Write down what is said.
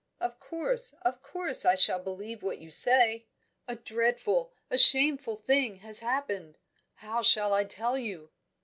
Of course, of course I shall believe what you say!" "A dreadful, a shameful thing has happened. How shall I tell you?"